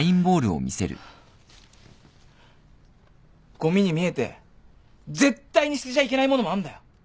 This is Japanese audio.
ごみに見えて絶対に捨てちゃいけない物もあんだよ。